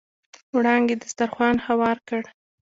وړانګې دسترخوان هوار کړ.